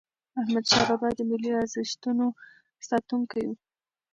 احمدشاه بابا د ملي ارزښتونو ساتونکی و.